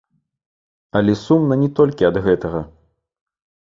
Але сумна не толькі ад гэтага.